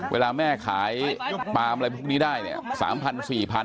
เวลาแม่ขายปาล์มอะไรพวกนี้ได้เนี่ย